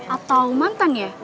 atau manteng ya